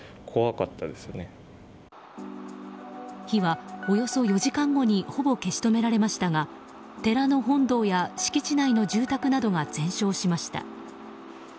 火はおよそ４時間後にほぼ消し止められましたが寺の本堂や敷地内の住宅などが全焼しました。